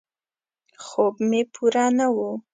خوب مې پوره نه و.